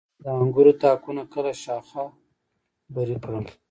د انګورو تاکونه کله شاخه بري کړم؟